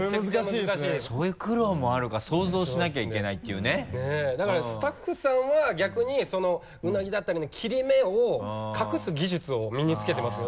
そういう苦労もあるか想像しなきゃいけないっていうねだからスタッフさんは逆にうなぎだったりの切れ目を隠す技術を身に付けてますよね。